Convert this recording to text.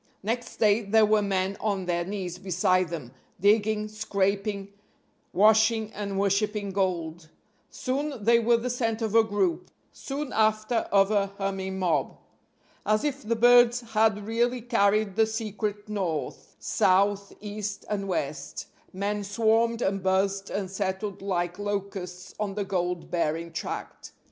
Next day there were men on their knees beside them, digging, scraping, washing and worshipping gold. Soon they were the center of a group soon after of a humming mob. As if the birds had really carried the secret north, south, east and west, men swarmed and buzzed and settled like locusts on the gold bearing tract.